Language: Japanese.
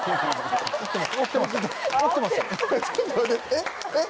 えっ？えっ？